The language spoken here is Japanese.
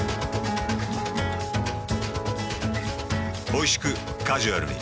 おいしくカジュアルに。